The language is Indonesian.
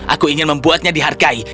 aku ingin membuatnya dihargai